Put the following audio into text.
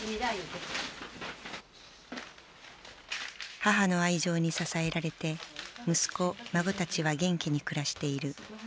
母の愛情に支えられて息子孫たちは元気に暮らしている。